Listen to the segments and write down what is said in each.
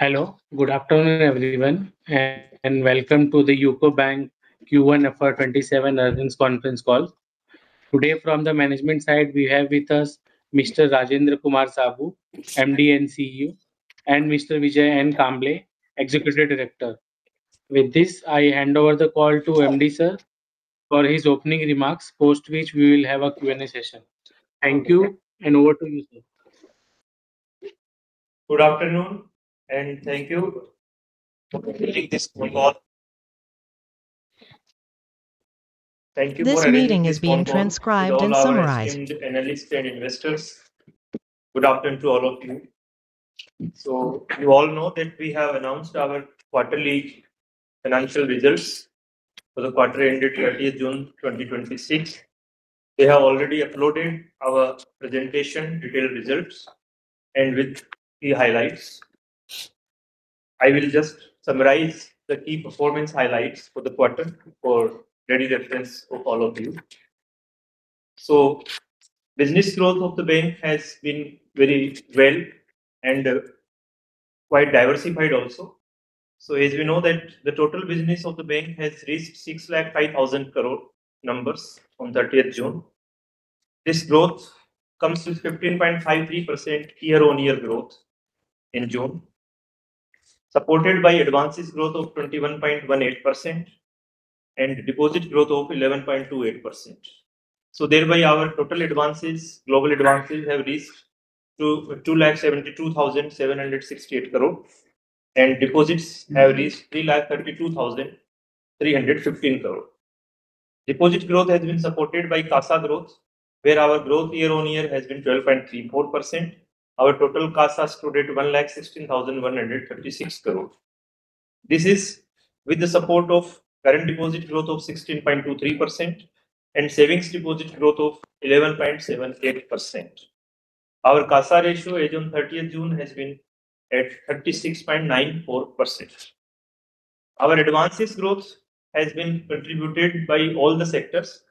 Hello, good afternoon, everyone. Welcome to the UCO Bank Q1 FY 2027 Earnings Conference Call. Today from the management side, we have with us Mr. Rajendra Kumar Saboo, MD & CEO, and Mr. Vijay N Kamble, Executive Director. With this, I hand over the call to MD, sir, for his opening remarks, post which we will have a Q&A session. Thank you. Over to you, sir. Good afternoon. Thank you for taking this call. Thank you for attending this conference with all our esteemed analysts and investors. Good afternoon to all of you. You all know that we have announced our quarterly financial results for the quarter ended 30th June 2026. We have already uploaded our presentation, detailed results, and with key highlights. I will just summarize the key performance highlights for the quarter for ready reference of all of you. Business growth of the bank has been very well and quite diversified also. As we know that the total business of the bank has reached 605,000 crore numbers on 30th June. This growth comes with 15.53% year-on-year growth in June, supported by advances growth of 21.18% and deposit growth of 11.28%. Thereby, our total advances, global advances, have reached to 272,768 crore and deposits have reached 332,315 crore. Deposit growth has been supported by CASA growth, where our growth year-on-year has been 12.34%. Our total CASA stood at 116,136 crore. This is with the support of current deposit growth of 16.23% and savings deposit growth of 11.78%. Our CASA ratio as on 30th June has been at 36.94%. Our advances growth has been contributed by all the sectors.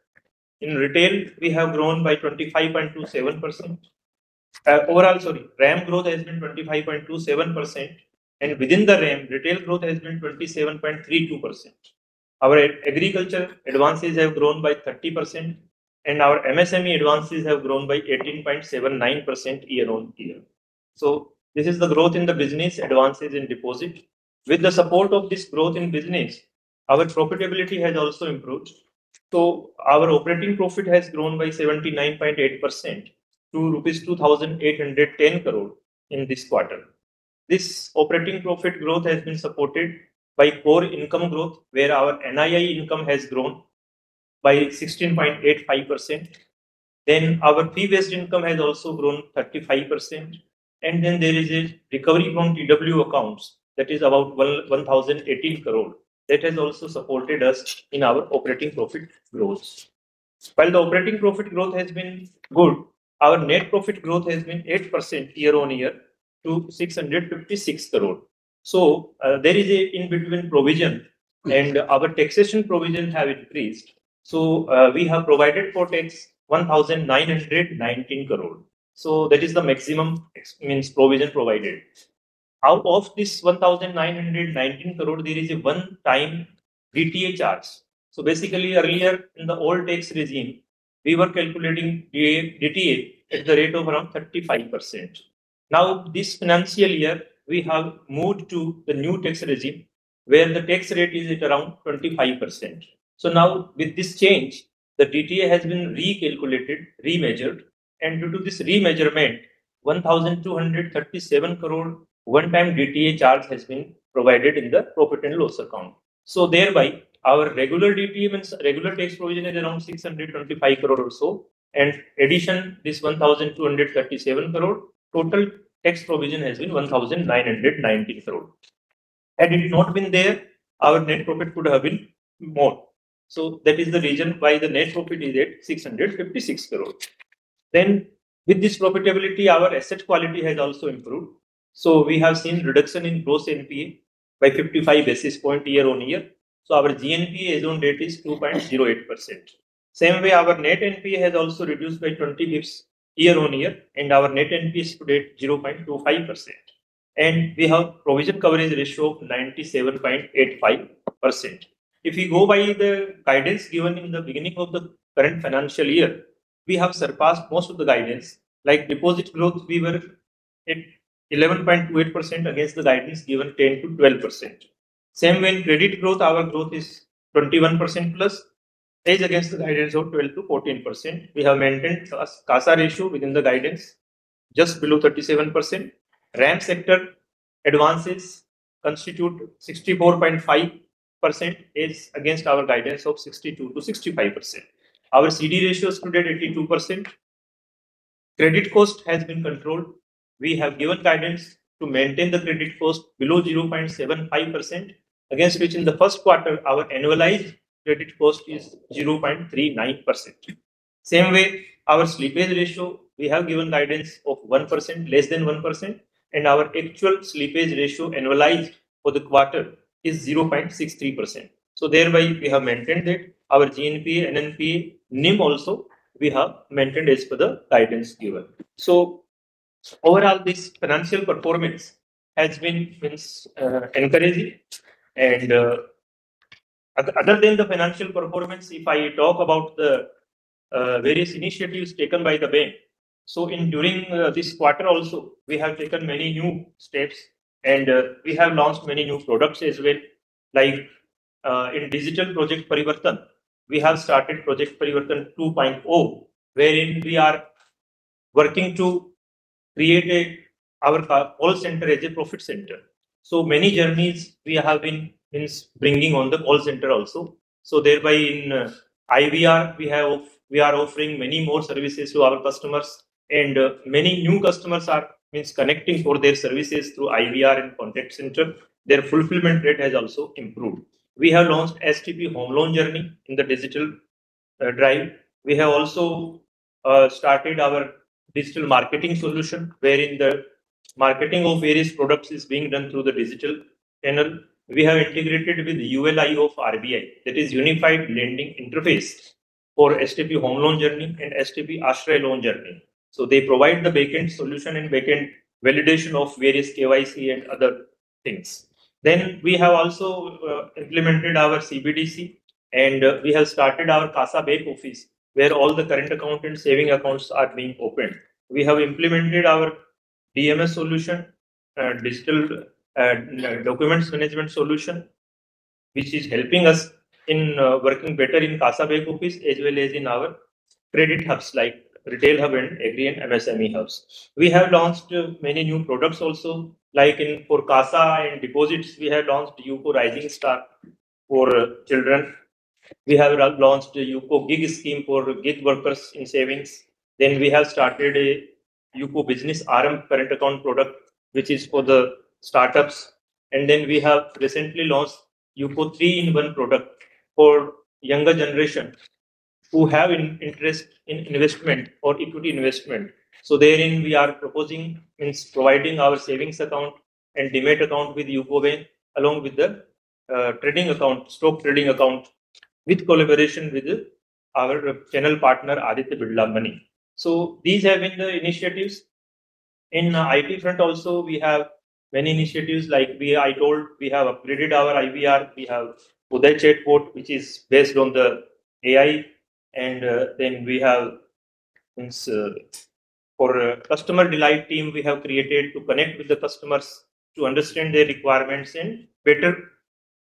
In retail, we have grown by 25.27%. Overall, sorry, RAM growth has been 25.27% and within the RAM, retail growth has been 27.32%. Our agriculture advances have grown by 30%, and our MSME advances have grown by 18.79% year-on-year. This is the growth in the business advances and deposit. With the support of this growth in business, our profitability has also improved. Our operating profit has grown by 79.8% to rupees 2,810 crore in this quarter. This operating profit growth has been supported by core income growth, where our NII income has grown by 16.85%. Our fee-based income has also grown 35%. And then there is a recovery from TW accounts that is about 1,018 crore. That has also supported us in our operating profit growth. While the operating profit growth has been good, our net profit growth has been 8% year-on-year to 656 crore. There is an in-between provision and our taxation provision have increased. We have provided for tax 1,919 crore. That is the maximum provision provided. Out of this 1,919 crore, there is a one-time DTA charge. Basically earlier in the old tax regime, we were calculating DTA at the rate of around 35%. Now, this financial year, we have moved to the new tax regime where the tax rate is at around 25%. Now with this change, the DTA has been recalculated, remeasured. Due to this remeasurement, 1,237 crore one-time DTA charge has been provided in the profit and loss account. Thereby our regular DTA means regular tax provision is around 625 crore or so. In addition, this 1,237 crore, total tax provision has been 1,919 crore. Had it not been there, our net profit could have been more. That is the reason why the net profit is at 656 crore. With this profitability, our asset quality has also improved. We have seen reduction in gross NPA by 55 basis points year-on-year. Our GNPA as on date is 2.08%. Same way, our net NPA has also reduced by 20 bps year-on-year and our net NPA stood at 0.25%. We have provision coverage ratio of 97.85%. If we go by the guidance given in the beginning of the current financial year, we have surpassed most of the guidance, like deposit growth, we were at 11.28% against the guidance given 10%-12%. Same way, in credit growth, our growth is 21%+, against the guidance of 12%-14%. We have maintained CASA ratio within the guidance just below 37%. RAM sector advances constitute 64.5% against our guidance of 62%-65%. Our CD ratio stood at 82%. Credit cost has been controlled. We have given guidance to maintain the credit cost below 0.75%, against which in the first quarter, our annualized credit cost is 0.39%. Same way, our slippage ratio, we have given guidance of less than 1%, our actual slippage ratio annualized for the quarter is 0.63%. Thereby, we have maintained it. Our GNPA, NNPA, NIM also we have maintained as per the guidance given. Overall, this financial performance has been encouraging. Other than the financial performance, if I talk about the various initiatives taken by the bank. During this quarter also, we have taken many new steps, we have launched many new products as well, like in digital Project Parivartan, we have started Project Parivartan 2.0, wherein we are working to create our call center as a profit center. Many journeys we have been bringing on the call center also. Thereby in IVR, we are offering many more services to our customers, many new customers are connecting for their services through IVR and contact center. Their fulfillment rate has also improved. We have launched STP home loan journey in the digital drive. We have also started our digital marketing solution, wherein the marketing of various products is being done through the digital channel. We have integrated with ULI of RBI, that is unified lending interface for STP home loan journey and STP AASHRAY loan journey. They provide the backend solution and backend validation of various KYC and other things. We have also implemented our CBDC, we have started our CASA Back Office, where all the current account and savings accounts are being opened. We have implemented our DMS solution, digital documents management solution, which is helping us in working better in CASA Back Office as well as in our credit hubs, like retail hub and agri and MSME hubs. We have launched many new products also, like for CASA in deposits, we have launched UCO Rising Star for children. We have launched a UCO GIG scheme for gig workers in savings. We have started a UCO Business RM current account product, which is for the startups. We have recently launched UCO three-in-one product for younger generation who have an interest in investment or equity investment. Therein, we are providing our savings account and demat account with UCO Bank, along with the trading account, stock trading account, with collaboration with our channel partner, Aditya Birla Money. These have been the initiatives. In IT front also, we have many initiatives. I told, we have upgraded our IVR. We have UDAY chatbot, which is based on the AI. For customer delight team, we have created to connect with the customers to understand their requirements and better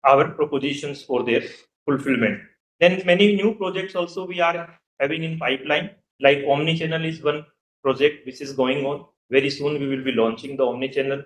our propositions for their fulfillment. Many new projects also we are having in pipeline, like omnichannel is one project which is going on. Very soon we will be launching the omnichannel.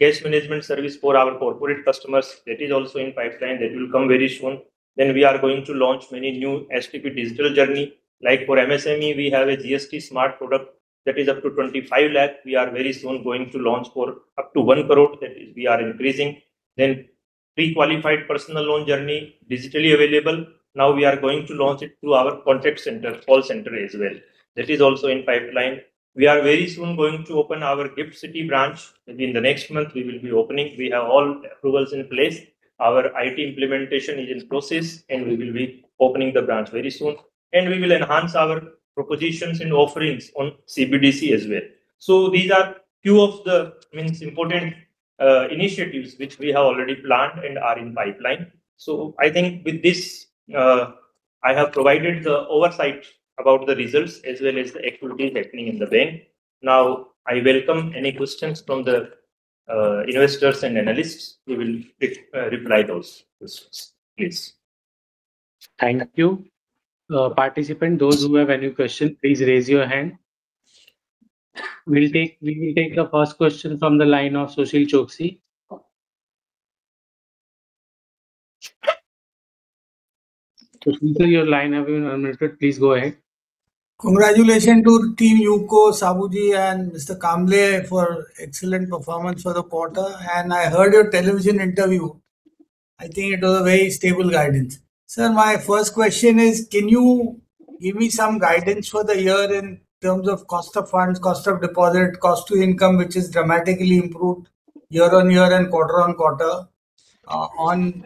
Cash management service for our corporate customers, that is also in pipeline. That will come very soon. We are going to launch many new STP digital journey. Like for MSME, we have a GST Smart Finance that is up to 25 lakh. We are very soon going to launch for up to 1 crore, that is we are increasing. Pre-qualified personal loan journey digitally available. Now we are going to launch it through our contact center, call center as well. That is also in pipeline. We are very soon going to open our GIFT City branch. Maybe in the next month, we will be opening. We have all approvals in place. Our IT implementation is in process, we will be opening the branch very soon. We will enhance our propositions and offerings on CBDC as well. These are few of the important initiatives which we have already planned and are in pipeline. I think with this, I have provided the oversight about the results as well as the activities happening in the bank. Now I welcome any questions from the investors and analysts, we will reply those questions. Please. Thank you. Participant, those who have any question, please raise your hand. We will take the first question from the line of Sushil Choksey. Sushil, your line has been unmuted. Please go ahead. Congratulations to Team UCO, Saboo-ji and Mr. Kamble for excellent performance for the quarter. I heard your television interview. I think it was a very stable guidance. Sir, my first question is, can you give me some guidance for the year in terms of cost of funds, cost of deposit, cost-to-income, which has dramatically improved year-over-year and quarter-on-quarter, on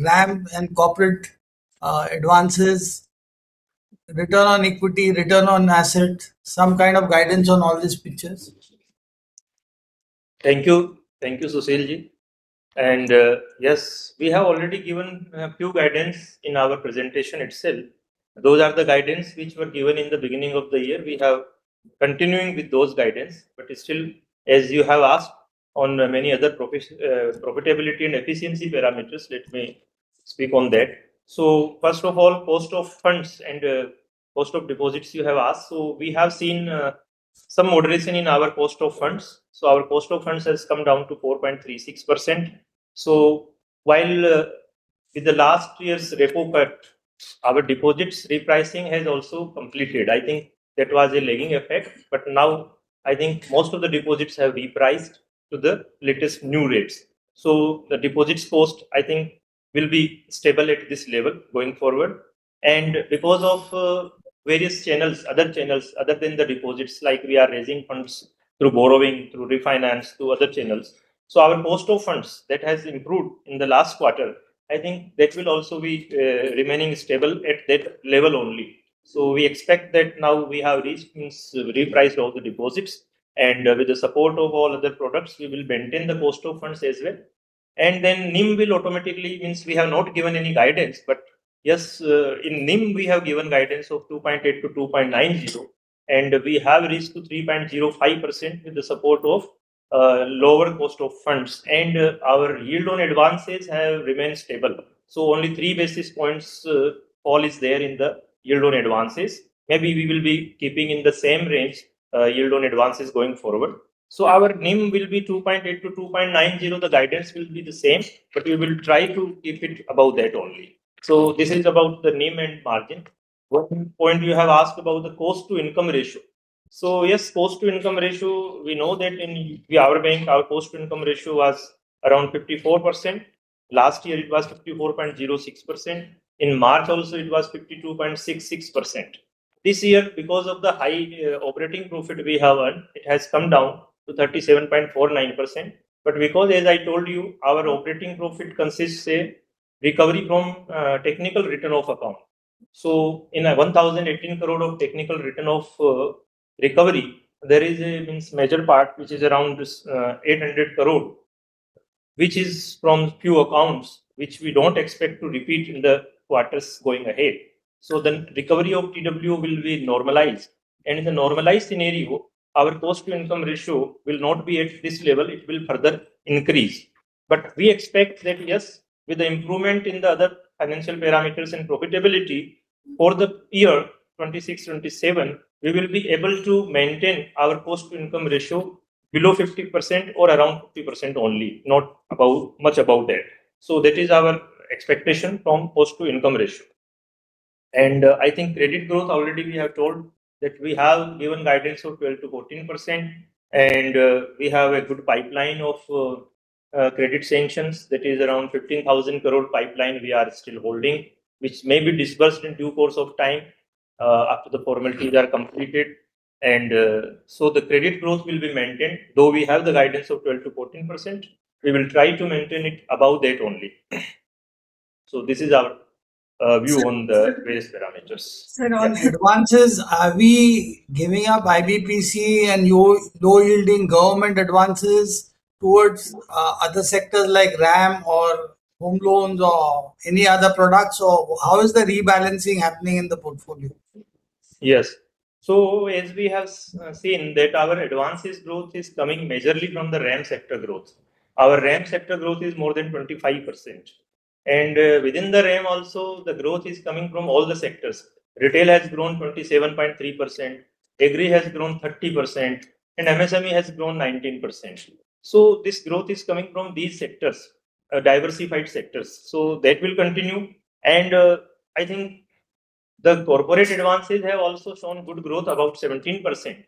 ramp and corporate advances, return on equity, return on assets, some kind of guidance on all these pictures? Thank you. Thank you, Sushil-ji. Yes, we have already given a few guidance in our presentation itself. Those are the guidance which were given in the beginning of the year. We are continuing with those guidance, still, as you have asked on many other profitability and efficiency parameters, let me speak on that. First of all, cost of funds and cost of deposits you have asked. We have seen some moderation in our cost of funds. Our cost of funds has come down to 4.36%. While with the last year's repo cut, our deposits repricing has also completed. I think that was a lagging effect. Now I think most of the deposits have repriced to the latest new rates. The deposits cost, I think, will be stable at this level going forward. Because of various channels, other channels other than the deposits, like we are raising funds through borrowing, through refinance, through other channels. Our cost of funds that has improved in the last quarter, I think that will also be remaining stable at that level only. We expect that now we have repriced all the deposits with the support of all other products, we will maintain the cost of funds as well. Then NIM will automatically, means we have not given any guidance, but yes, in NIM we have given guidance of 2.8%-2.90%, and we have reached to 3.05% with the support of lower cost of funds. Our yield on advances have remained stable. Only 3 basis points fall is there in the yield on advances. Maybe we will be keeping in the same range, yield on advances going forward. Our NIM will be 2.8%-2.90%. The guidance will be the same, we will try to keep it above that only. This is about the NIM and margin. One point you have asked about the cost-to-income ratio. Yes, cost-to-income ratio, we know that in our bank, our cost-to-income ratio was around 54%. Last year it was 54.06%. In March also it was 52.66%. This year, because of the high operating profit we have earned, it has come down to 37.49%. Because, as I told you, our operating profit consists a recovery from technical written-off account. In 1,018 crore of technical written-off recovery, there is a major part which is around 800 crore, which is from few accounts, which we don't expect to repeat in the quarters going ahead. Then recovery of TW will be normalized. In a normalized scenario, our cost-to-income ratio will not be at this level, it will further increase. We expect that, yes, with the improvement in the other financial parameters and profitability for the year 2026/2027, we will be able to maintain our cost-to-income ratio below 50% or around 50% only, not much above that. That is our expectation from cost-to-income ratio. I think credit growth already we have told that we have given guidance of 12%-14% and we have a good pipeline of credit sanctions that is around 15,000 crore pipeline we are still holding, which may be disbursed in due course of time after the formalities are completed. The credit growth will be maintained. Though we have the guidance of 12%-14%, we will try to maintain it above that only. This is our view on the various parameters. Sir, on advances, are we giving up IBPC and low yielding government advances towards other sectors like RAM or home loans or any other products, or how is the rebalancing happening in the portfolio? Yes. As we have seen that our advances growth is coming majorly from the RAM sector growth. Our RAM sector growth is more than 25%. Within the RAM also, the growth is coming from all the sectors. Retail has grown 27.3%, agri has grown 30%, and MSME has grown 19%. This growth is coming from these sectors, diversified sectors. That will continue. I think the corporate advances have also shown good growth, about 17%.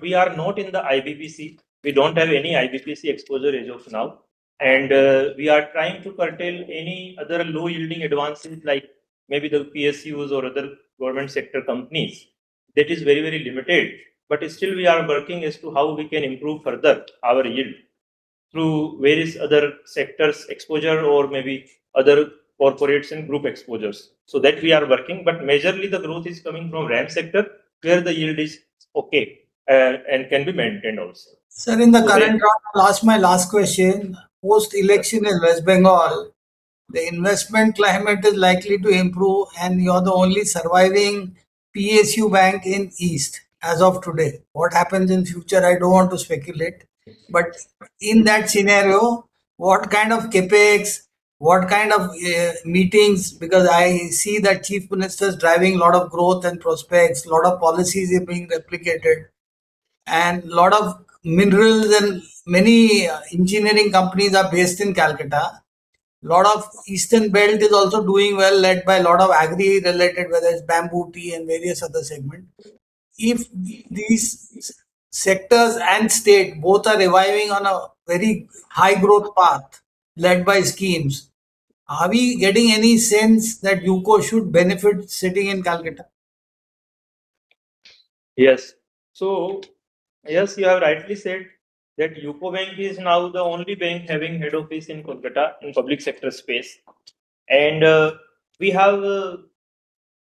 We are not in the IBPC. We don't have any IBPC exposure as of now. We are trying to curtail any other low yielding advances, like maybe the PSUs or other government sector companies. That is very limited. Still we are working as to how we can improve further our yield through various other sectors exposure or maybe other corporates and group exposures. That we are working, majorly the growth is coming from RAM sector where the yield is okay and can be maintained also. Sir, in the current round, I'll ask my last question. Post-election in West Bengal, the investment climate is likely to improve and you're the only surviving PSU bank in East as of today. What happens in future, I don't want to speculate. In that scenario, what kind of CapEx, what kind of meetings, because I see that Chief Minister is driving a lot of growth and prospects, lot of policies are being replicated, and lot of minerals and many engineering companies are based in Kolkata. Lot of eastern belt is also doing well, led by a lot of agri-related, whether it's bamboo, tea, and various other segment. If these sectors and state both are reviving on a very high growth path led by schemes, are we getting any sense that UCO should benefit sitting in Kolkata? Yes. Yes, you have rightly said that UCO Bank is now the only bank having head office in Kolkata in public sector space. We have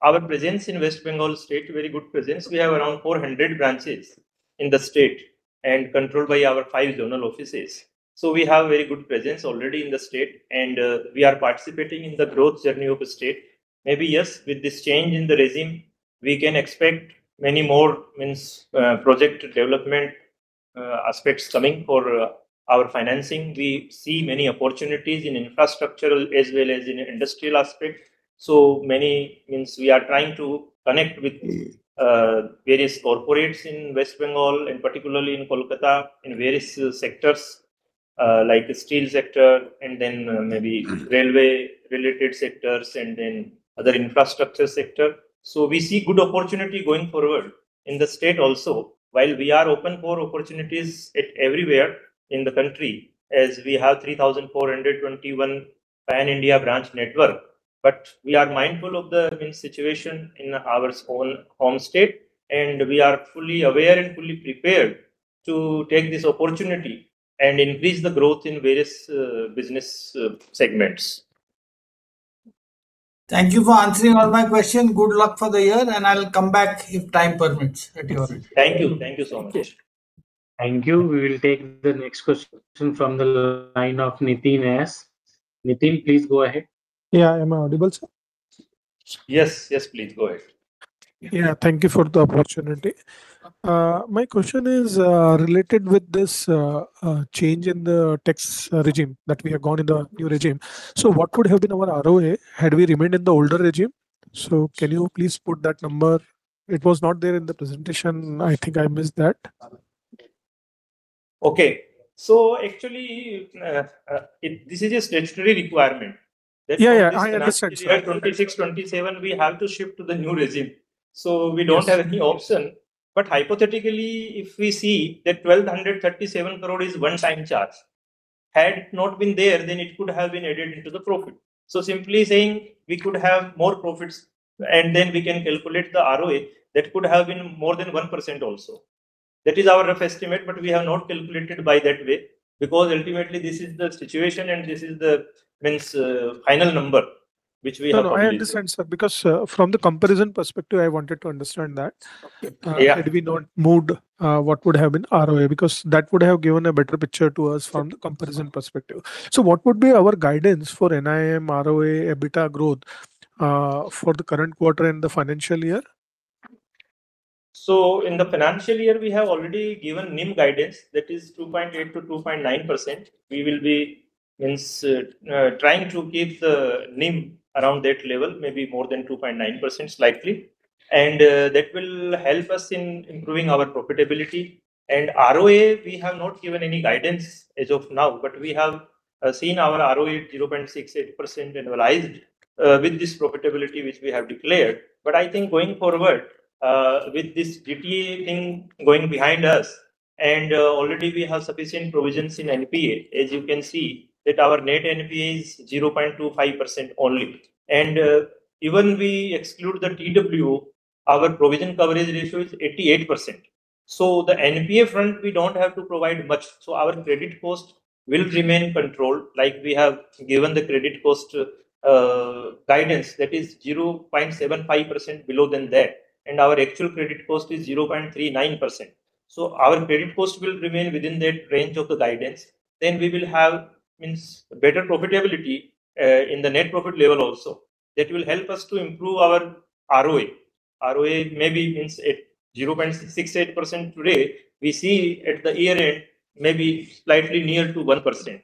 our presence in West Bengal State, very good presence. We have around 400 branches in the state and controlled by our five zonal offices. We have very good presence already in the state and we are participating in the growth journey of the state. Maybe, yes, with this change in the regime, we can expect many more project development aspects coming for our financing. We see many opportunities in infrastructural as well as in industrial aspect. We are trying to connect with various corporates in West Bengal and particularly in Kolkata, in various sectors, like steel sector and then maybe railway-related sectors and then other infrastructure sector. We see good opportunity going forward in the state also while we are open for opportunities everywhere in the country as we have 3,421 pan-India branch network. We are mindful of the situation in our own home state, and we are fully aware and fully prepared to take this opportunity and increase the growth in various business segments. Thank you for answering all my questions. Good luck for the year. I will come back if time permits. Thank you. Thank you so much. Thank you. We will take the next question from the line of Nitin S. Nitin, please go ahead. Yeah. Am I audible, sir? Yes. Please go ahead. Yeah. Thank you for the opportunity. My question is related with this change in the tax regime, that we have gone in the new regime. What would have been our ROA had we remained in the older regime? Can you please put that number? It was not there in the presentation. I think I missed that. Okay. Actually, this is a statutory requirement. Yeah, yeah. I understand, sir. 2026-2027, we have to shift to the new regime. We don't have any option. Hypothetically, if we see that 1,237 crore is one-time charge, had it not been there, then it could have been added into the profit. Simply saying, we could have more profits and then we can calculate the ROA. That could have been more than 1% also. That is our rough estimate, we have not calculated by that way, because ultimately this is the situation and this is the final number. I understand, sir. From the comparison perspective, I wanted to understand that. Yeah. Had we not moved, what would have been ROA? That would have given a better picture to us from the comparison perspective. What would be our guidance for NIM, ROA, EBITDA growth, for the current quarter and the financial year? In the financial year, we have already given NIM guidance that is 2.8%-2.9%. We will be trying to keep the NIM around that level, maybe more than 2.9% slightly. That will help us in improving our profitability. ROA, we have not given any guidance as of now, but we have seen our ROA 0.68% annualized with this profitability which we have declared. I think going forward, with this DTA thing going behind us, already we have sufficient provisions in NPA, as you can see that our net NPA is 0.25% only. Even we exclude the TW, our provision coverage ratio is 88%. The NPA front, we don't have to provide much. Our credit cost will remain controlled, like we have given the credit cost guidance that is 0.75% below than that, our actual credit cost is 0.39%. Our credit cost will remain within that range of the guidance. We will have better profitability in the net profit level also. That will help us to improve our ROA. ROA maybe means 0.68% today. We see at the year-end, maybe slightly near to 1%.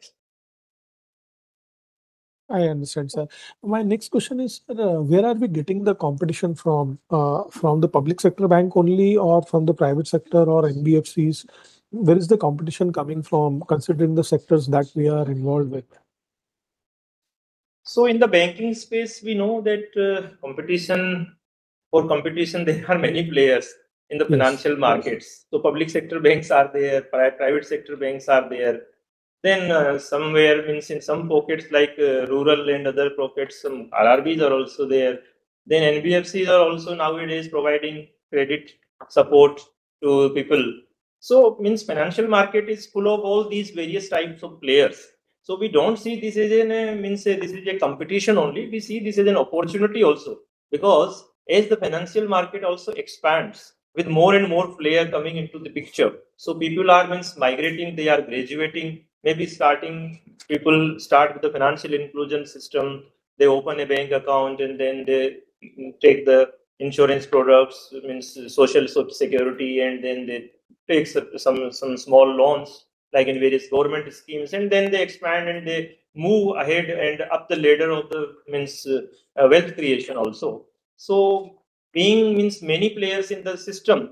I understand, sir. My next question is, where are we getting the competition from? From the public sector bank only or from the private sector or NBFCs? Where is the competition coming from, considering the sectors that we are involved with? In the banking space, we know that competition, for competition, there are many players in the financial markets. Public sector banks are there, private sector banks are there. Somewhere, in some pockets like rural and other pockets, some RRBs are also there. NBFCs are also nowadays providing credit support to people. Financial market is full of all these various types of players. We don't see this as a competition only. We see this as an opportunity also. Because as the financial market also expands with more and more player coming into the picture. People are migrating, they are graduating, maybe starting. People start with the financial inclusion system. They open a bank account and they take the insurance products, social security, and they take some small loans, like in various government schemes, and they expand and they move ahead and up the ladder of the wealth creation also. Being means many players in the system,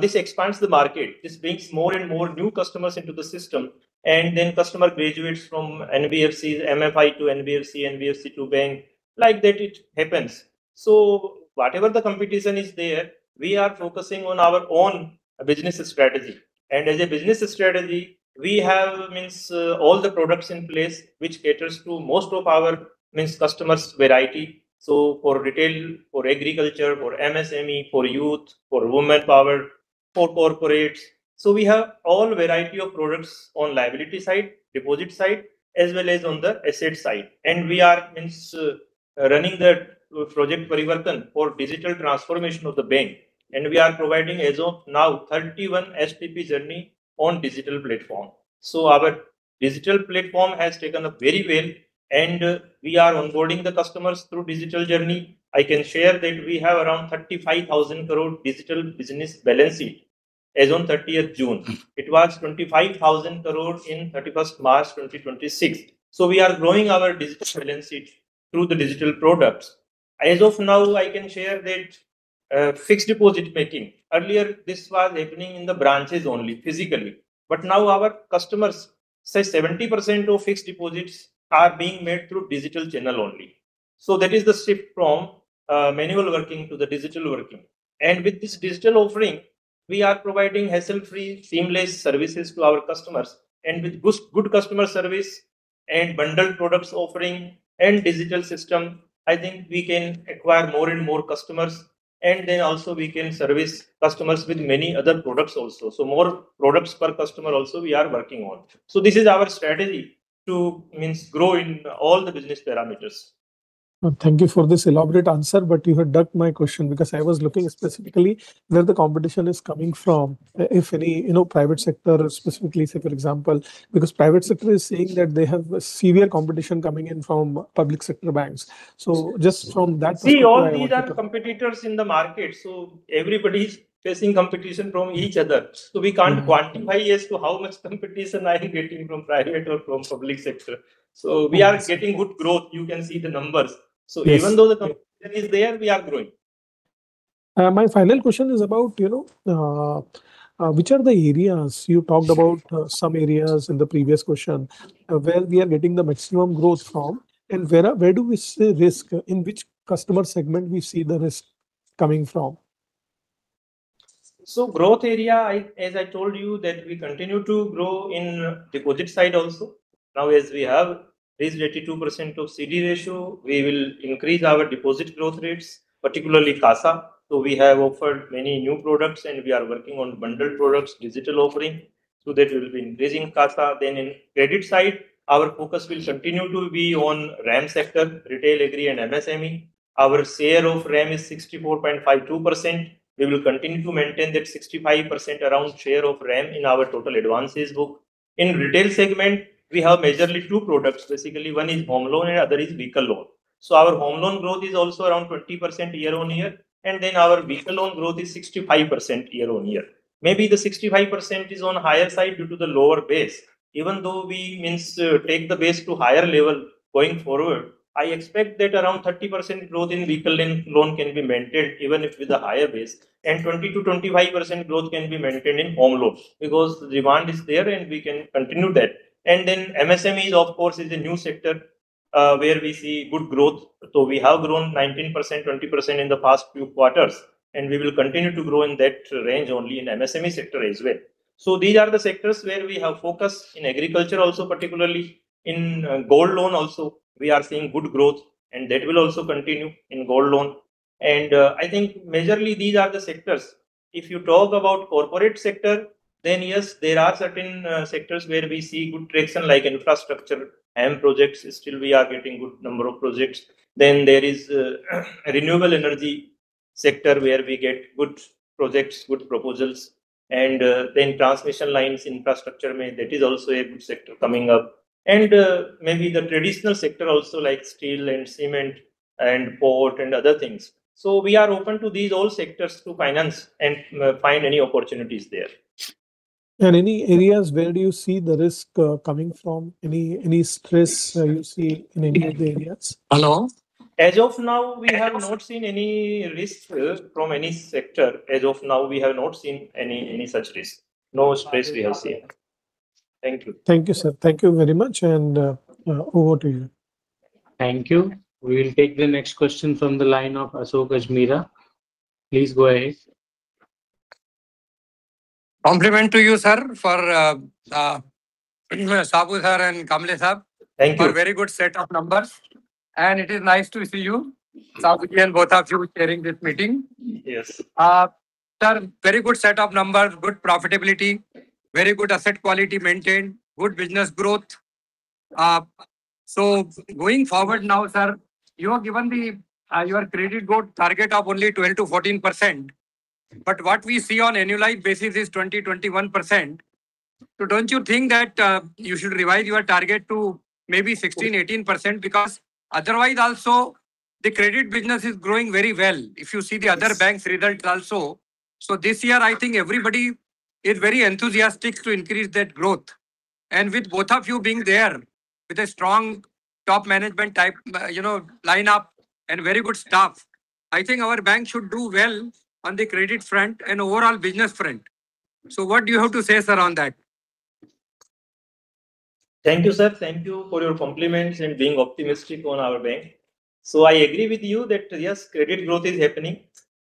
this expands the market. This brings more and more new customers into the system, and customer graduates from NBFCs, MFI to NBFC to bank, like that it happens. Whatever the competition is there, we are focusing on our own business strategy. As a business strategy, we have all the products in place which caters to most of our customers variety. For retail, for agriculture, for MSME, for youth, for woman power, for corporates. We have all variety of products on liability side, deposit side, as well as on the asset side. We are running that Project Parivartan for digital transformation of the bank. We are providing as of now 31 STP journey on digital platform. Our digital platform has taken up very well and we are onboarding the customers through digital journey. I can share that we have around 35,000 crore digital business balance sheet as on 30th June. It was 25,000 crore in 31st March 2026. We are growing our digital balance sheet through the digital products. As of now, I can share that fixed deposit making. Earlier, this was happening in the branches only physically. But now our customers, say 70% of fixed deposits are being made through digital channel only. That is the shift from manual working to the digital working. With this digital offering, we are providing hassle-free, seamless services to our customers. With good customer service and bundled products offering and digital system, I think we can acquire more and more customers. Also we can service customers with many other products also. More products per customer also, we are working on. This is our strategy to grow in all the business parameters. Thank you for this elaborate answer. You have ducked my question because I was looking specifically where the competition is coming from, if any, private sector specifically, say for example, because private sector is saying that they have a severe competition coming in from public sector banks. Just from that perspective. All these are competitors in the market, everybody is facing competition from each other. We can't quantify as to how much competition I am getting from private or from public sector. We are getting good growth. You can see the numbers. Yes. Even though the competition is there, we are growing. My final question is about, which are the areas, you talked about some areas in the previous question, where we are getting the maximum growth from and where do we see risk, in which customer segment we see the risk coming from? Growth area, as I told you that we continue to grow in deposit side also. Now as we have reached 82% of CD ratio, we will increase our deposit growth rates, particularly CASA. We have offered many new products and we are working on bundled products, digital offering, so that we will be increasing CASA. In credit side, our focus will continue to be on RAM sector, retail, agri, and MSME. Our share of RAM is 64.52%. We will continue to maintain that 65% around share of RAM in our total advances book. In retail segment, we have majorly two products. Basically, one is home loan and other is vehicle loan. Our home loan growth is also around 20% year-on-year, and our vehicle loan growth is 65% year-on-year. Maybe the 65% is on higher side due to the lower base. Even though we take the base to higher level going forward, I expect that around 30% growth in vehicle loan can be maintained even if with a higher base, and 20%-25% growth can be maintained in home loans because the demand is there and we can continue that. MSMEs, of course, is a new sector, where we see good growth. We have grown 19%, 20% in the past few quarters. We will continue to grow in that range only in MSME sector as well. These are the sectors where we have focus. In agriculture also, particularly in gold loan also, we are seeing good growth and that will also continue in gold loan. I think majorly these are the sectors. If you talk about corporate sector, yes, there are certain sectors where we see good traction, like infrastructure and projects. Still we are getting good number of projects. There is a renewable energy sector where we get good projects, good proposals, transmission lines infrastructure, that is also a good sector coming up. Maybe the traditional sector also like steel and cement and port and other things. We are open to these all sectors to finance and find any opportunities there. Any areas where do you see the risk coming from? Any stress you see in any of the areas? As of now, we have not seen any risk from any sector. As of now, we have not seen any such risk. No stress we have seen. Thank you. Thank you, sir. Thank you very much. Over to you. Thank you. We will take the next question from the line of Ashok Ajmera. Please go ahead. Compliment to you, sir, for Saboo sir and Kamble sir. Thank you. For very good set of numbers. It is nice to see you, Saboo-ji, and both of you sharing this meeting. Yes. Sir, very good set of numbers, good profitability, very good asset quality maintained, good business growth. Going forward now, sir, you have given your credit growth target of only 12%-14%, but what we see on annualized basis is 20%, 21%. Don't you think that you should revise your target to maybe 16%, 18%, because otherwise also the credit business is growing very well. If you see the other banks results also. This year, I think everybody is very enthusiastic to increase that growth. With both of you being there with a strong top management type line up and very good staff, I think our bank should do well on the credit front and overall business front. What do you have to say, sir, on that? Thank you, sir. Thank you for your compliments and being optimistic on our bank. I agree with you that, yes, credit growth is happening.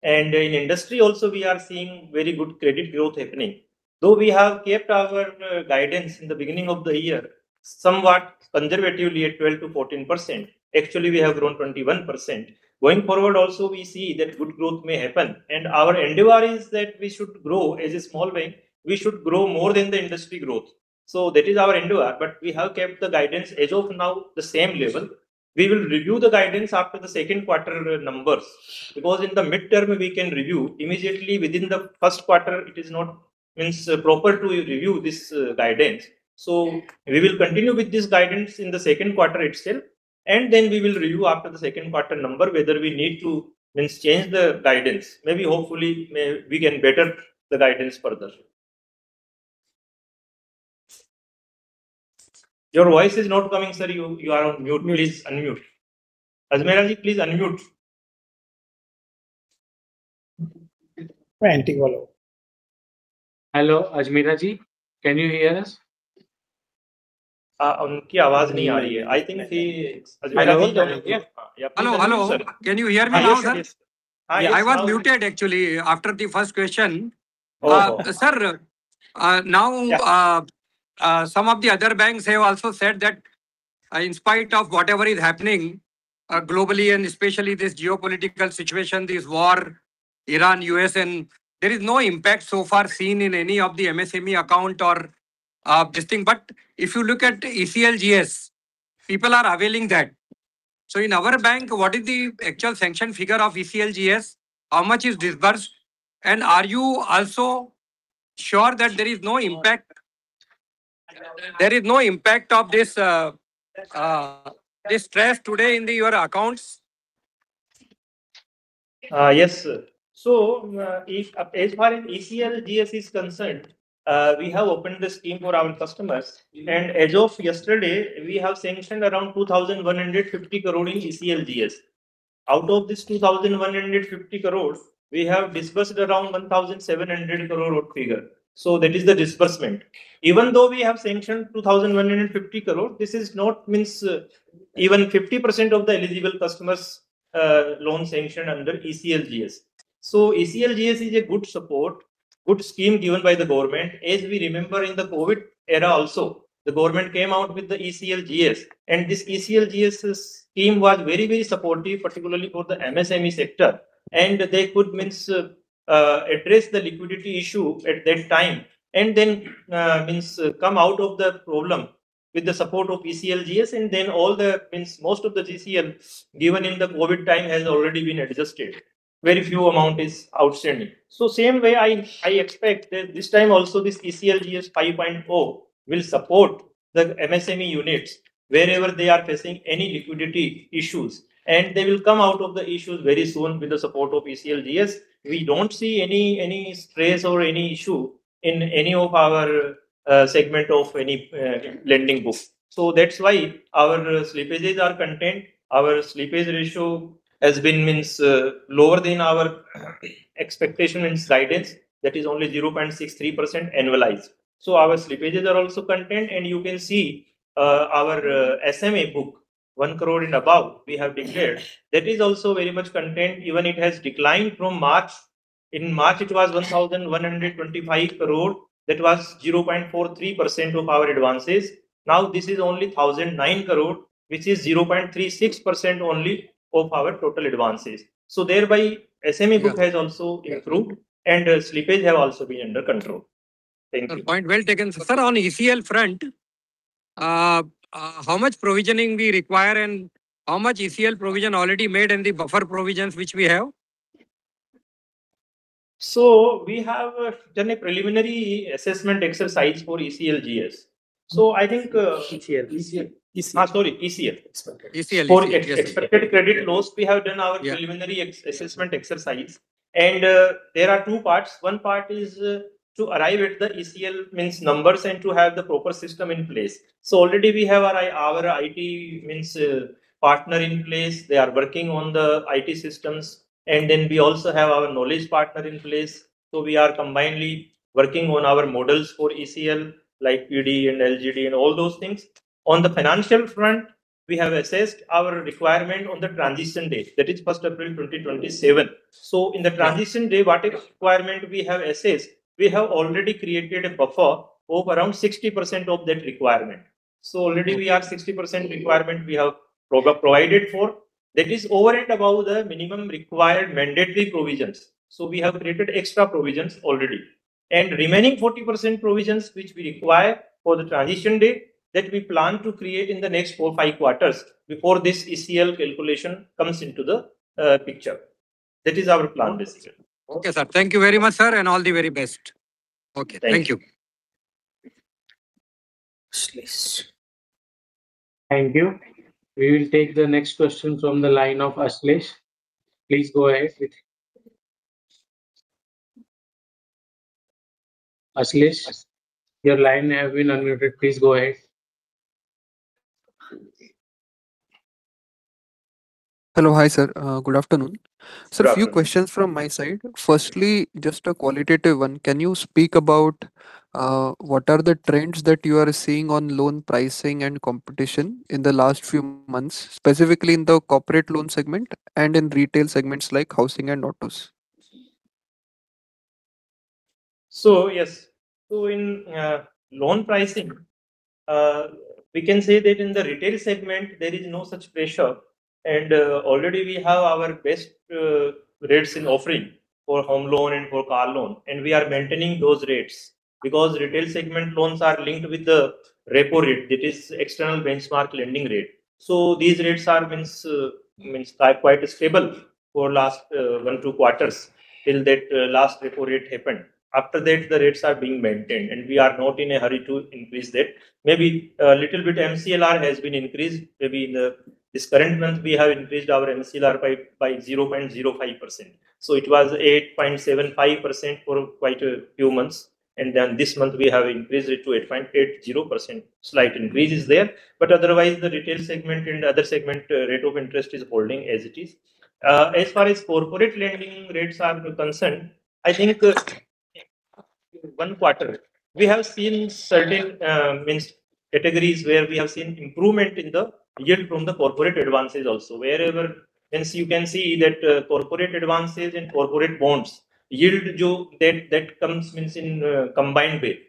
In industry also we are seeing very good credit growth happening. Though we have kept our guidance in the beginning of the year, somewhat conservatively at 12%-14%, actually we have grown 21%. Going forward also we see that good growth may happen and our endeavor is that we should grow as a small bank, we should grow more than the industry growth. That is our endeavor, but we have kept the guidance as of now the same level. We will review the guidance after the second quarter numbers, because in the midterm, we can review. Immediately within the first quarter, it is not proper to review this guidance. We will continue with this guidance in the second quarter itself, then we will review after the second quarter number whether we need to change the guidance. Maybe hopefully, we can better the guidance further. Your voice is not coming, sir. You are on mute. Please unmute. Ajmera-ji, please unmute. Hello, Ajmera-ji, can you hear us? I think he-- Hello, hello. Can you hear me now, sir? Yes. I was muted actually after the first question. Sir, some of the other banks have also said that. In spite of whatever is happening globally, and especially this geopolitical situation, this war, Iran, U.S., there is no impact so far seen in any of the MSME account or this thing. But if you look at ECLGS, people are availing that. In our bank, what is the actual sanction figure of ECLGS? How much is disbursed? Are you also sure that there is no impact of this stress today in your accounts? Yes, sir. As far as ECLGS is concerned, we have opened this scheme for our customers. As of yesterday, we have sanctioned around 2,150 crore in ECLGS. Out of this 2,150 crore, we have disbursed around 1,700 crore. That is the disbursement. Even though we have sanctioned 2,150 crore, this does not mean even 50% of the eligible customers loan sanction under ECLGS. ECLGS is a good support, good scheme given by the government. As we remember in the COVID era also, the government came out with the ECLGS, this ECLGS scheme was very supportive, particularly for the MSME sector. They could address the liquidity issue at that time come out of the problem with the support of ECLGS most of the ECL given in the COVID time has already been adjusted. Very few amount is outstanding. Same way, I expect that this time also this ECLGS 5.0 will support the MSME units wherever they are facing any liquidity issues, and they will come out of the issues very soon with the support of ECLGS. We don't see any stress or any issue in any of our segment of any lending book. That's why our slippages are contained. Our slippage ratio has been lower than our expectation and guidance. That is only 0.63% annualized. Our slippages are also contained, and you can see our SMA book, 1 crore and above, we have declared. That is also very much contained, even it has declined from March. In March it was 1,125 crore. That was 0.43% of our advances. Now this is only 1,009 crore, which is 0.36% only of our total advances. Thereby, SMA book has also improved, and slippage have also been under control. Thank you. Point well taken, sir. On ECL front, how much provisioning we require and how much ECL provision already made in the buffer provisions which we have? We have done a preliminary assessment exercise for ECLGS. ECL. Sorry, ECL. ECL. For expected credit loss, we have done our preliminary assessment exercise, and there are two parts. One part is to arrive at the ECL numbers and to have the proper system in place. Already we have our IT partner in place. They are working on the IT systems, and then we also have our knowledge partner in place. We are combinedly working on our models for ECL, like PD and LGD and all those things. On the financial front, we have assessed our requirement on the transition date. That is 1st April 2027. In the transition day, what requirement we have assessed, we have already created a buffer of around 60% of that requirement. Already we have 60% requirement we have provided for. That is over and above the minimum required mandatory provisions. We have created extra provisions already. Remaining 40% provisions, which we require for the transition date, that we plan to create in the next four, five quarters before this ECL calculation comes into the picture. That is our plan decision. Okay, sir. Thank you very much, sir, and all the very best. Okay. Thank you. Thank you. Thank you. We will take the next question from the line of Ashlesh. Please go ahead. Ashlesh, your line has been unmuted. Please go ahead. Hello. Hi, sir. Good afternoon. Good afternoon. Sir, a few questions from my side. Firstly, just a qualitative one. Can you speak about what are the trends that you are seeing on loan pricing and competition in the last few months, specifically in the corporate loan segment and in retail segments like housing and autos? Yes. In loan pricing, we can say that in the retail segment, there is no such pressure, already we have our best rates in offering for home loan and for car loan, we are maintaining those rates because retail segment loans are linked with the repo rate, that is external benchmark lending rate. These rates are quite stable for last one, two quarters, till that last repo rate happened. After that, the rates are being maintained, we are not in a hurry to increase that. Maybe a little bit MCLR has been increased. Maybe in this current month, we have increased our MCLR by 0.05%. It was 8.75% for quite a few months. This month, we have increased it to 8.80%. Slight increase is there, otherwise, the retail segment and other segment rate of interest is holding as it is. As far as corporate lending rates are concerned, one quarter. We have seen certain categories where we have seen improvement in the yield from the corporate advances also. You can see that corporate advances and corporate bonds yield, that comes in combined way.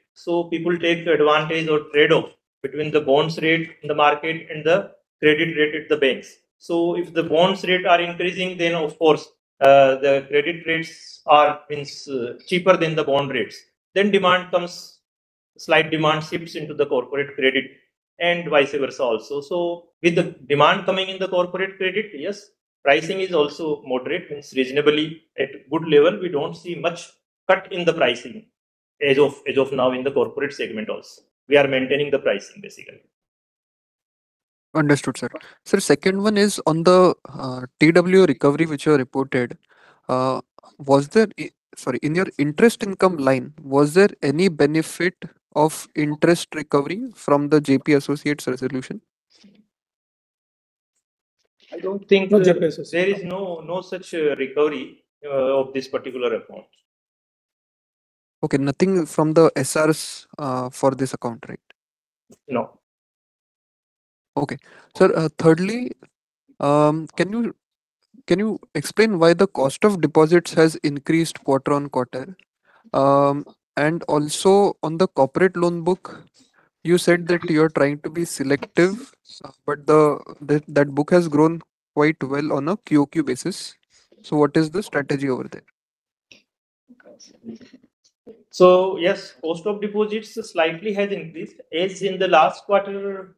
People take advantage or trade-off between the bonds rate in the market and the credit rate at the banks. If the bonds rate are increasing, then of course, the credit rates are cheaper than the bond rates. Slight demand shifts into the corporate credit and vice versa also. With the demand coming in the corporate credit, yes, pricing is also moderate, means reasonably at good level. We don't see much cut in the pricing as of now in the corporate segment also. We are maintaining the pricing, basically. Understood, sir. Sir, second one is on the TW recovery which you have reported. In your interest income line, was there any benefit of interest recovery from the JP Associates resolution? I don't think. No JP Associates. There is no such recovery of this particular account. Okay. Nothing from the SRs for this account, right? No. Okay. Sir, thirdly, can you explain why the cost of deposits has increased quarter on quarter? Also, on the corporate loan book, you said that you are trying to be selective, but that book has grown quite well on a QoQ basis. What is the strategy over there? Yes, cost of deposits slightly has increased. As in the last quarter,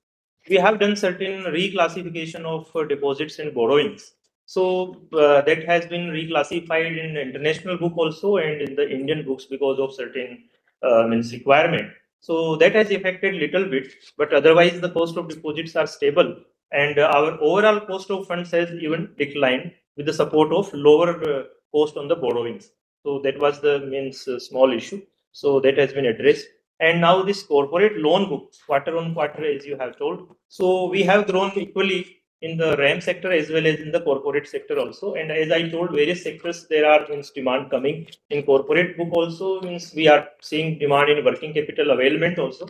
we have done certain reclassification of deposits and borrowings. That has been reclassified in the international book also and in the Indian books because of certain requirements. That has affected little bit, but otherwise the cost of deposits are stable and our overall cost of funds has even declined with the support of lower cost on the borrowings. That was the small issue. That has been addressed. Now this corporate loan book, quarter on quarter, as you have told. We have grown equally in the RAM sector as well as in the corporate sector also. As I told, various sectors there are demand coming. In corporate book also, we are seeing demand in working capital availment also.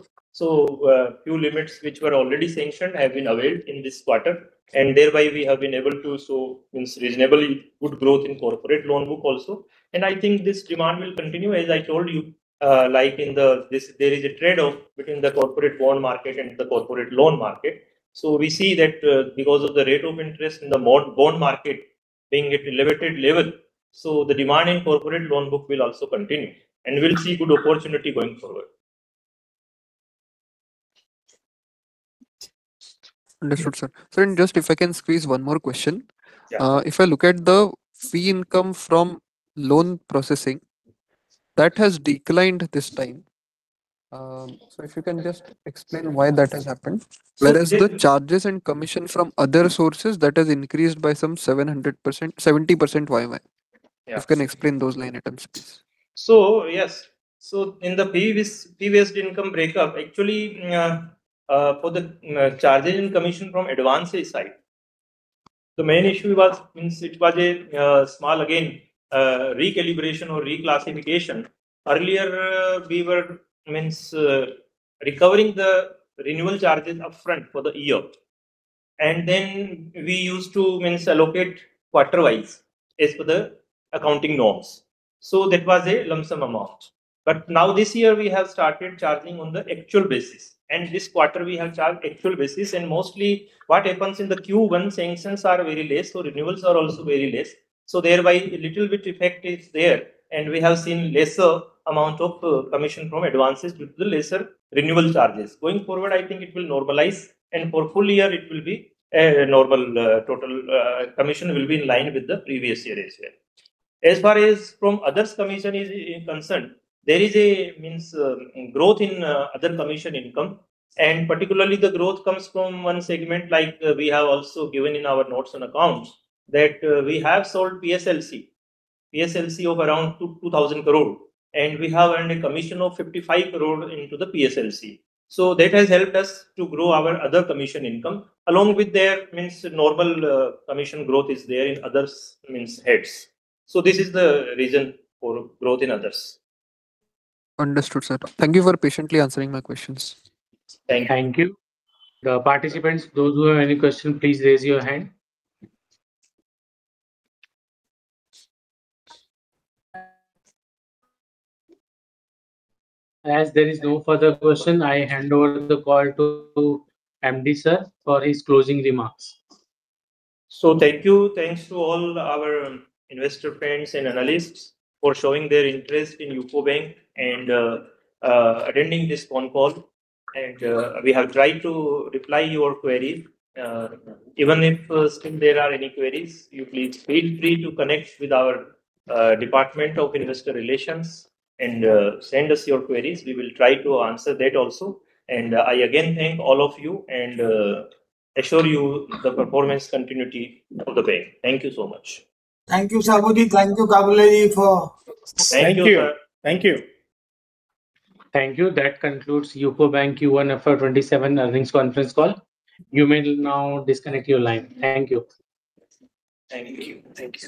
Few limits which were already sanctioned have been availed in this quarter, and thereby we have been able to show reasonably good growth in corporate loan book also. I think this demand will continue, as I told you, there is a trade-off between the corporate bond market and the corporate loan market. We see that because of the rate of interest in the bond market being at a limited level, so the demand in corporate loan book will also continue, and we'll see good opportunity going forward. Understood, sir. Sir, just if I can squeeze one more question. Yeah. If I look at the fee income from loan processing, that has declined this time. If you can just explain why that has happened. Whereas the charges and commission from other sources, that has increased by some 70% YoY. Yes. If you can explain those line items, please. Yes. In the previous income breakup, actually, for the charges and commission from advances side, the main issue was, it was a small recalibration or reclassification. Earlier, we were recovering the renewal charges upfront for the year, then we used to allocate quarter-wise as per the accounting norms. That was a lump sum amount. Now this year, we have started charging on the actual basis, this quarter we have charged actual basis, mostly what happens in the Q1, sanctions are very less, renewals are also very less. Thereby a little bit effect is there, we have seen lesser amount of commission from advances due to the lesser renewal charges. Going forward, I think it will normalize for full year it will be a normal total, commission will be in line with the previous year as well. As far as from others commission is concerned, there is a growth in other commission income, particularly the growth comes from one segment, like we have also given in our notes and accounts, that we have sold PSLC. PSLC of around 2,000 crore, we have earned a commission of 55 crore into the PSLC. That has helped us to grow our other commission income. Along with that, normal commission growth is there in others heads. This is the reason for growth in others. Understood, sir. Thank you for patiently answering my questions. Thank you. Thank you. Participants, those who have any question, please raise your hand. As there is no further question, I hand over the call to MD sir for his closing remarks. Thank you. Thanks to all our investor friends and analysts for showing their interest in UCO Bank and attending this phone call. We have tried to reply your query. Even if still there are any queries, you please feel free to connect with our Department of Investor Relations and send us your queries. We will try to answer that also. I again thank all of you and assure you the performance continuity of the bank. Thank you so much. Thank you, Saboo-ji. Thank you, Kamble-ji. Thank you. Thank you, sir. Thank you. Thank you. That concludes UCO Bank Q1 FY 2027 earnings conference call. You may now disconnect your line. Thank you. Thank you. Thank you, sir.